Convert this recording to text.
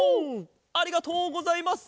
ありがとうございます！